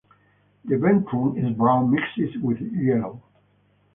The ventrum is brown mixed with yellow.